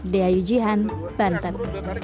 dea yujian banten